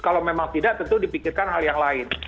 kalau memang tidak tentu dipikirkan hal yang lain